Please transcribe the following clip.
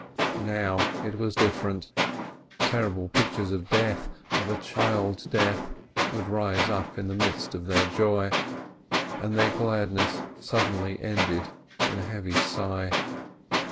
Now it was different: terrible pic tures of death, of a child's death, would rise up in the midst of their joy, and their gladness sudden ly ended in a heavy sigh.